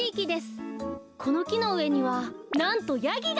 このきのうえにはなんとヤギが！